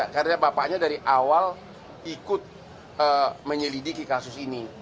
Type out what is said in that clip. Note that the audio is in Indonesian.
karena bapaknya dari awal ikut menyelidiki kasus ini